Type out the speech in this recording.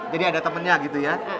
jadi ada temannya gitu ya